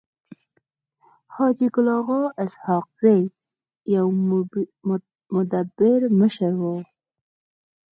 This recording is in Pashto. حاجي ګل اغا اسحق زی يو مدبر مشر وو.